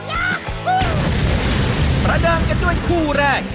มาเดินกันด้วยคู่แรก